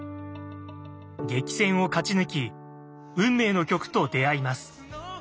激戦を勝ち抜き運命の曲と出会います。